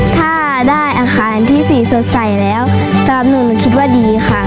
ถ้าได้อาคารอันที่สี่สดใสแล้วสำหรับหนูหนูคิดว่าดีค่ะ